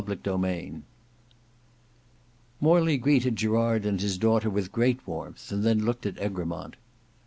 Book 3 Chapter 9 Morley greeted Gerard and his daughter with great warmth, and then looked at Egremont.